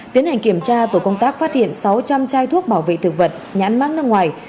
tiến hành kiểm tra tổ công tác phát hiện sáu trăm linh chai thuốc bảo vệ thực vật nhãn mát nước ngoài